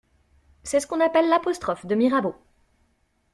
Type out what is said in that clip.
C'est ce qu'on appelle l'apostrophe de Mirabeau.